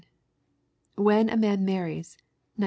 When a Man Marries, 1909.